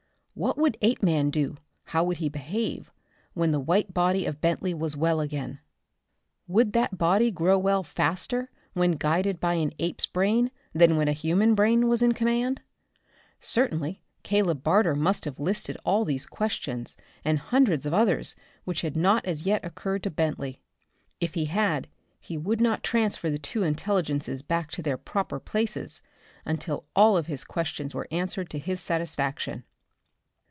What would Apeman do, how would he behave, when the white body of Bentley was well again? Would that body grow well faster when guided by an ape's brain than when a human brain was in command? Certainly Caleb Barter must have listed all these questions and hundreds of others which had not as yet occurred to Bentley. If he had he would not transfer the two intelligences back to their proper places until all of his questions were answered to his satisfaction.